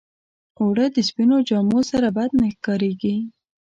اوړه د سپينو جامو سره بد نه ښکارېږي